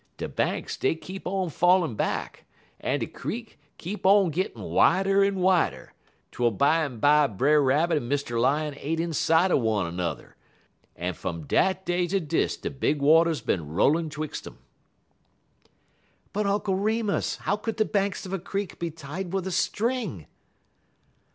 De banks dey keep on fallin' back, en de creek keep on gittin' wider en wider, twel bimeby Brer Rabbit en Mr. Lion ain't in sight er one er n'er, en fum dat day to dis de big waters bin rollin' 'twix' um." "But, Uncle Remus, how could the banks of a creek be tied with a string?"